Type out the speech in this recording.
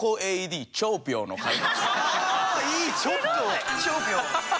ちょっと。